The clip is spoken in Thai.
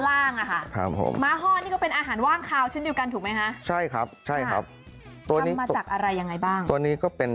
ข้างบัวแห่งสันยินดีต้อนรับทุกท่านนะครับ